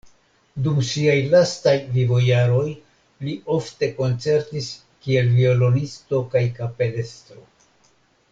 Dum siaj lastaj vivojaroj li ofte koncertis kiel violonisto kaj kapelestro.